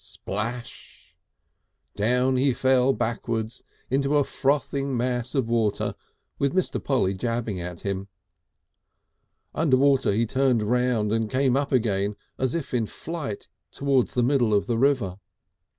Splash! Down he fell backwards into a frothing mass of water with Mr. Polly jabbing at him. Under water he turned round and came up again as if in flight towards the middle of the river.